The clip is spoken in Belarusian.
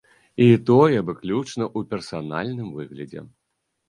І тое, выключна ў персанальным выглядзе.